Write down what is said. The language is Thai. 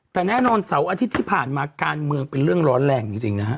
แต่แน่นอนเสาร์อาทิตย์ที่ผ่านมาการเมืองเป็นเรื่องร้อนแรงจริงนะฮะ